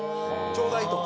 ちょうだいと？